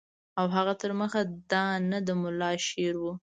او هغه تر مخه دانه د ملا شعر وو.